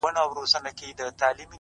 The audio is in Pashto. اوس يــې آهـونـــه په واوښتـل.